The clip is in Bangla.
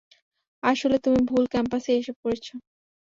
আসলে, তুমি ভুল ক্যাম্পাসেই এসে পড়েছো।